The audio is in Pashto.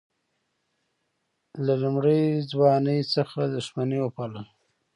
له لومړۍ ځوانۍ څخه دښمني وپالل.